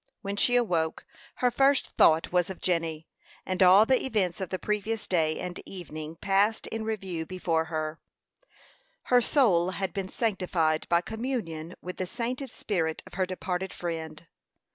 When she awoke, her first thought was of Jenny; and all the events of the previous day and evening passed in review before her. Her soul had been sanctified by communion with the sainted spirit of her departed friend.